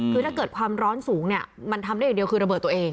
คือถ้าเกิดความร้อนสูงเนี่ยมันทำได้อย่างเดียวคือระเบิดตัวเอง